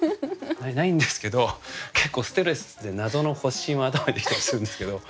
ないんですけど結構ストレスで謎の発疹は頭に出来たりするんですけど。